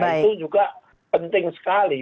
itu juga penting sekali